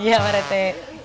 iya pak reti